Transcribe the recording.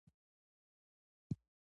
سلیمان غر له اعتقاداتو سره تړاو لري.